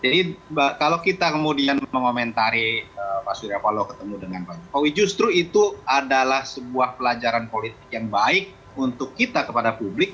jadi kalau kita kemudian mengomentari pak surya kalo ketemu dengan pak jokowi justru itu adalah sebuah pelajaran politik yang baik untuk kita kepada publik